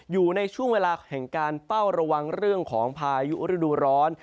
อยู่ในช่วงเวลาแห่งการเฝ้าระวังเรื่องของพายุฤดูร้อน